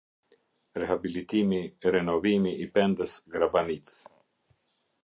Rehabilitimirenovimi i pendes grabanice